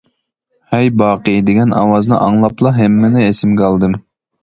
«ھەي، باقى» دېگەن ئاۋازنى ئاڭلاپلا ھەممىنى ئېسىمگە ئالدىم.